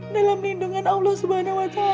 dalam lindungan allah subhanahu wa ta'ala